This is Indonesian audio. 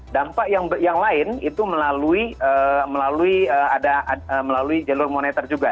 dampak yang lain itu melalui ada melalui jalur moneter juga